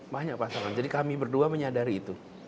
banyak pasangan jadi kami berdua menyadari itu